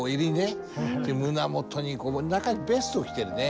胸元に中にベストを着てるね。